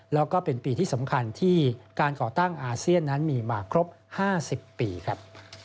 แล้วก็เป็นปีที่สำคัญที่การก่อตั้งอาเซียนนั้นมีมาครบ๕๐ปีครับ